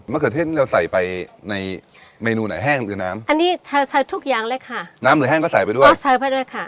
เขือเทศที่เราใส่ไปในเมนูไหนแห้งหรือน้ำอันนี้เธอใช้ทุกอย่างเลยค่ะน้ำหรือแห้งก็ใส่ไปด้วยก็ใช้ไปด้วยค่ะ